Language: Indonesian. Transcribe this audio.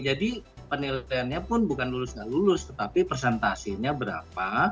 jadi penilaiannya pun bukan lulus nggak lulus tetapi presentasinya berapa